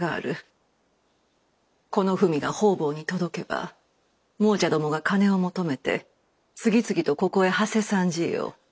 この文が方々に届けば亡者どもが金を求めて次々とここへはせ参じよう。